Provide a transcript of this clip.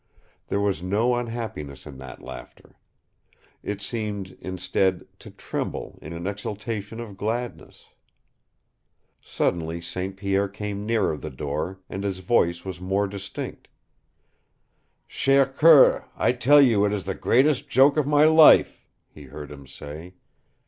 There was no unhappiness in that laughter. It seemed, instead, to tremble in an exultation of gladness. Suddenly St. Pierre came nearer the door, and his voice was more distinct. "Chere coeur, I tell you it is the greatest joke of my life," he heard him say.